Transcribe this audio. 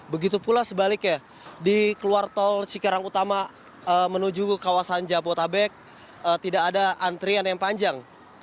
begitu pula sebaliknya di keluar tol cikarang utama menuju kawasan jabodetabek tidak ada antrian yang panjang